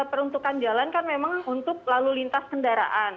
peruntukan jalan kan memang untuk lalu lintas kendaraan